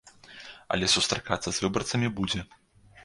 Але сустракацца з выбарцамі будзе.